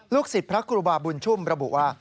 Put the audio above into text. ลูกศิษย์พระครูบาบุญชุมระบุว่า